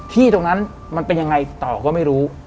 ที่ตรงนั้นมันเป็นยังไงต่อก็ไม่รู้